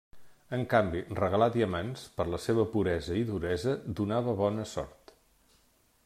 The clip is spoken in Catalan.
En canvi, regalar diamants, per la seva puresa i duresa, donava bona sort.